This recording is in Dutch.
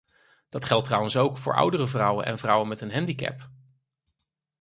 Dat geldt trouwens ook voor oudere vrouwen en vrouwen met een handicap.